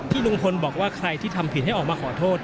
ลุงพลบอกว่าใครที่ทำผิดให้ออกมาขอโทษ